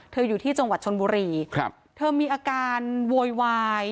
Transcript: อยู่ที่จังหวัดชนบุรีครับเธอมีอาการโวยวาย